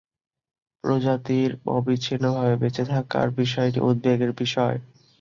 প্রজাতিটির অবিচ্ছিন্নভাবে বেঁচে থাকার বিষয়টি উদ্বেগের বিষয়।